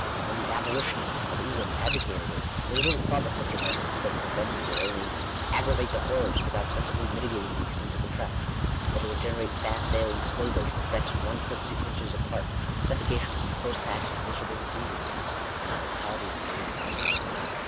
When the aboli tionists of England advocated it, they little thought that such a measure instead of preventing would only " aggravate the horrors, without sensibly mitigating the extent of the traffic; " that it would generate fast sailing slavers with decks one foot six inches apart, suffocation from close packing, miserable diseases, and a mortality of thirty five per cent.